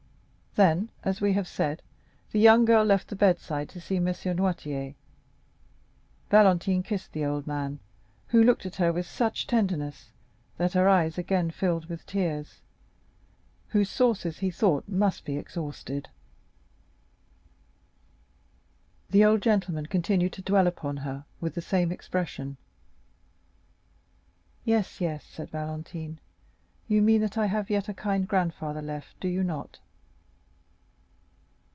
Then, as we have said, the young girl left the bedside to see M. Noirtier. Valentine kissed the old man, who looked at her with such tenderness that her eyes again filled with tears, whose sources he thought must be exhausted. The old gentleman continued to dwell upon her with the same expression. "Yes, yes," said Valentine, "you mean that I have yet a kind grandfather left, do you not."